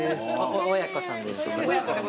親子さんで。